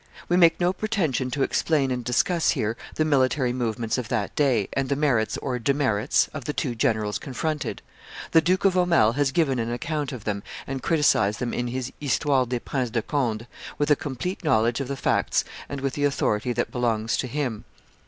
We make no pretension to explain and discuss here the military movements of that day, and the merits or demerits of the two generals confronted; the Duke of Aumale has given an account of them and criticised them in his Histoire des Princes de Conde, with a complete knowledge of the facts and with the authority that belongs to him.